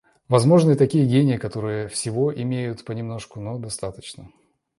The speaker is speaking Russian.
Возможны и такие гении, которые всего имеют понемножку, но достаточно.